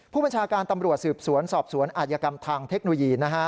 ผู้บัญชาการตำรวจสืบสวนสอบสวนอาจยกรรมทางเทคโนโลยีนะฮะ